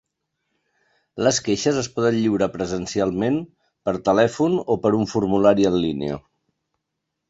Les queixes es poden lliurar presencialment, per telèfon o per un formulari en línia.